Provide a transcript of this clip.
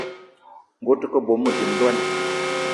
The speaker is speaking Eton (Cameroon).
Ngue ute ke bónbô, dím ndwan